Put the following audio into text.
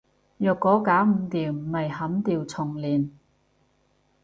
若果搞唔掂，咪砍掉重練